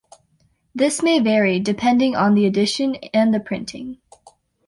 This may vary, depending on the edition and the printing.